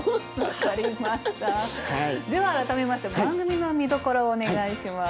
では改めまして番組の見どころをお願いします。